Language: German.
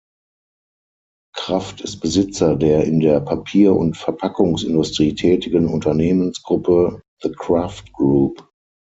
Kraft ist Besitzer der in der Papier- und Verpackungsindustrie tätigen Unternehmensgruppe The Kraft Group.